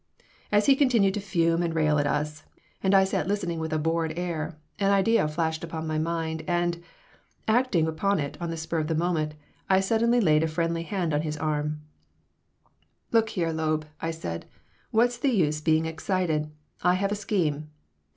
As he continued to fume and rail at us, and I sat listening with a bored air, an idea flashed upon my mind, and, acting upon it on the spur of the moment, I suddenly laid a friendly hand on his arm "Look here, Loeb," I said. "What's the use being excited? I have a scheme.